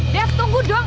dev tunggu dong